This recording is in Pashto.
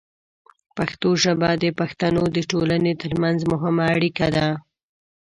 پښتو ژبه د پښتنو د ټولنې ترمنځ مهمه اړیکه ده.